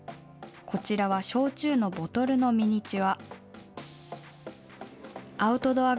こちらは焼酎のボトルのミニチュア。